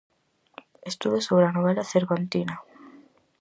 Estudos sobre a novela cervantina.